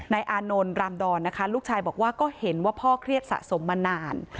อานนท์รามดอนนะคะลูกชายบอกว่าก็เห็นว่าพ่อเครียดสะสมมานาน